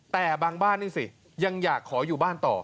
แต่บางบ้านนี่สิยังอยากขออยู่บ้านต่อ